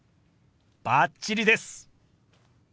バッチリです！